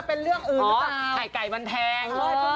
เป็นคนที่สิ่ง